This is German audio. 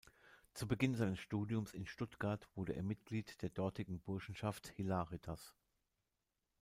Zu Beginn seines Studiums in Stuttgart wurde er Mitglied der dortigen Burschenschaft Hilaritas.